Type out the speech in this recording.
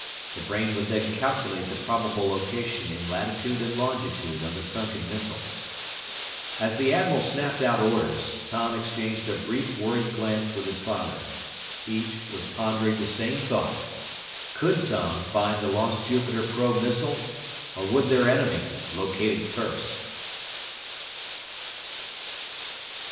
The brain would then calculate the probable location in latitude and longitude of the sunken missile. As the admiral snapped out orders, Tom exchanged a brief worried glance with his father. Each was pondering the same thought. _Could Tom find the lost Jupiter probe missile? Or would their enemy locate it first?